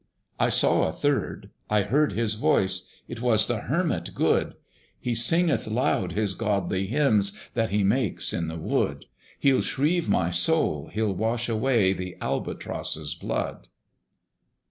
I saw a third I heard his voice: It is the Hermit good! He singeth loud his godly hymns That he makes in the wood. He'll shrieve my soul, he'll wash away The Albatross's blood.